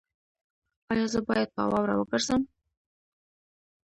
ایا زه باید په واوره وګرځم؟